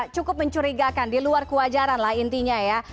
cukup mencurigakan diluar kewajaran lah intinya ya